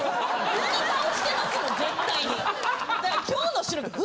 引き倒してますもん絶対に。